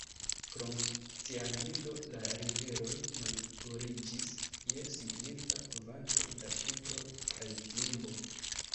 Krom cianido la riveroj malpuriĝis je signifa kvanto da kupro kaj plumbo.